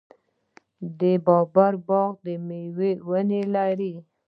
د بابر باغ د میوو ونې لري.